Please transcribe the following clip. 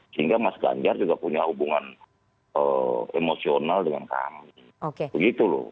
sehingga mas ganjar juga punya hubungan emosional dengan kami begitu loh